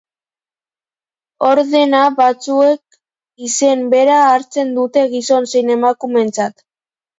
Ordena batzuk izen bera hartzen dute gizon zein emakumeentzat.